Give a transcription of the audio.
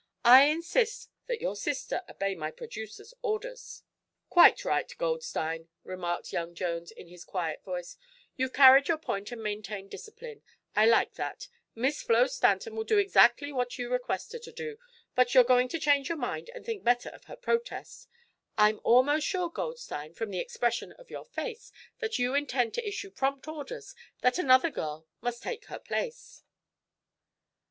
I insist that your sister obey my producer's orders." "Quite right, Goldstein," remarked young Jones, in his quiet voice. "You've carried your point and maintained discipline. I like that. Miss Flo Stanton will do exactly what you request her to do. But you're going to change your mind and think better of her protest. I'm almost sure, Goldstein, from the expression of your face, that you intend to issue prompt orders that another girl must take her place."